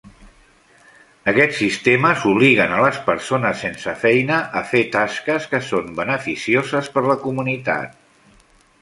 Aquests sistemes obliguen a les persones sense feina a fer tasques que són beneficioses per la comunitat.